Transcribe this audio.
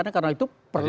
karena itu perlu